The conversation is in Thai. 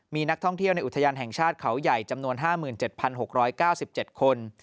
มีนักท่องเที่ยวในอุทยานแห่งชาติเขาใหญ่จำนวน๕๗๖๙๗คน